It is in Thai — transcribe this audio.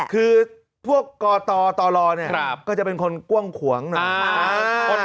คือพวกกตลเนี่ยก็จะเป็นคนกว้างขวางหน่อย